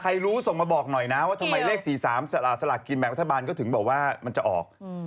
รู้ส่งมาบอกหน่อยนะว่าทำไมเลข๔๓สลากกินแบ่งรัฐบาลก็ถึงบอกว่ามันจะออก